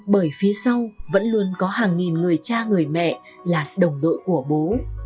bởi phía sau vẫn luôn có hàng nghìn người cha người mẹ là đồng đội của bố